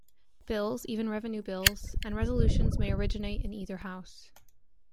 Bills, even revenue bills, and resolutions may originate in either house.